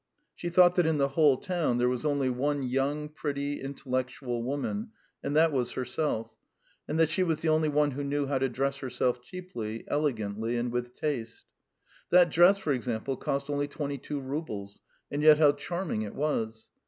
She thought that in the whole town there was only one young, pretty, intellectual woman, and that was herself, and that she was the only one who knew how to dress herself cheaply, elegantly, and with taste. That dress, for example, cost only twenty two roubles, and yet how charming it was!